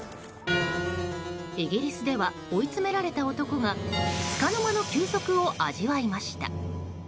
イギリスでは追い詰められた男がつかの間の休息を味わいました。